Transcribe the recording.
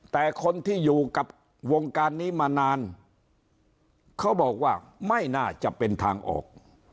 แต่คนที่อยู่กับวงการนี้มานานเขาบอกว่าไม่น่าจะเป็นทางออก